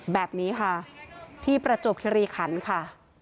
แบบนี้ค่ะที่ประจวบคิริขันค่ะ